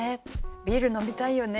「ビール飲みたいよね」